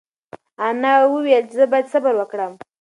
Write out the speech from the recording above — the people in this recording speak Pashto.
انا وویل چې زه باید صبر وکړم.